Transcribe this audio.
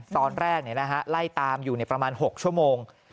ตอนแรกเนี่ยนะฮะไล่ตามอยู่ในประมาณ๖ชั่วโมง